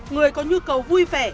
người có nhu cầu vui vẻ